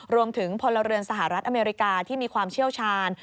พลเรือนสหรัฐอเมริกาที่มีความเชี่ยวชาญ